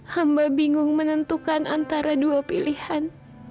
hamba bingung menentukan antara dua pilihan